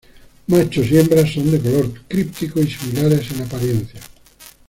Machos y hembras son de color críptico y similares en apariencia.